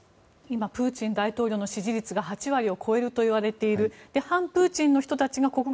今プーチン大統領の支持率が半数を超えるといわれている。